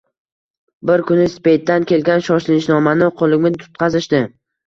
Bir kuni Speytdan kelgan shoshilinchnomani qo`limga tutqazishdi